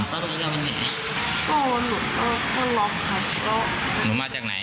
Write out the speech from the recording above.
ก็หนูจะลอง